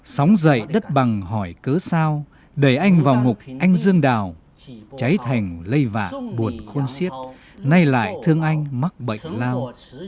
sống dậy đất bằng hỏi cớ sao đẩy anh vào ngục anh dương đào cháy thành lây vả buồn khôn xiết nay lại thương anh mắc bệnh lao